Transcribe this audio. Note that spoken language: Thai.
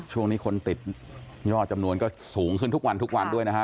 ช่วงนี้คนติดยอดจำนวนก็สูงขึ้นทุกวันทุกวันด้วยนะฮะ